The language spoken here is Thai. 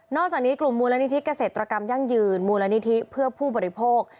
จากนี้กลุ่มมูลนิธิเกษตรกรรมยั่งยืนมูลนิธิเพื่อผู้บริโภค